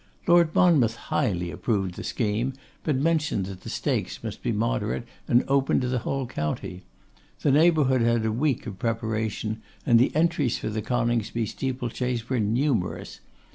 Lord Monmouth highly approved the scheme, but mentioned that the stakes must be moderate, and open to the whole county. The neighbourhood had a week of preparation, and the entries for the Coningsby steeple chase were numerous.